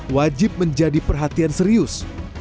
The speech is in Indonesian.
wajib menjadi perhatian serius